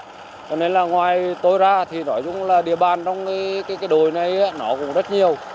cho nên là ngoài tôi ra thì nói chung là địa bàn trong cái đồi này nó cũng rất nhiều